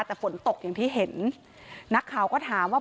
แต่ฝนตกอย่างที่เห็นนักข่าวก็ถามว่า